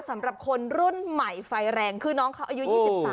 สำหรับคนรุ่นใหม่ไฟแรงคือน้องเขาอายุ๒๓